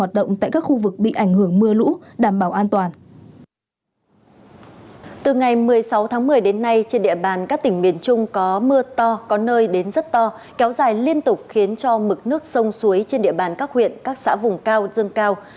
từ ngày một mươi sáu tháng một mươi đến nay trên địa bàn các tỉnh miền trung có mưa to có nơi đến rất to kéo dài liên tục khiến cho mực nước sông suối trên địa bàn các huyện các xã vùng cao dâng cao